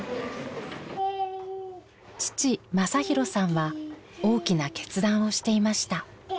父政宏さんは大きな決断をしていました。